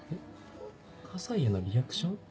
河西へのリアクション？